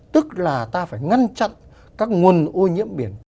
tức là ta phải ngăn chặn các nguồn ô nhiễm biển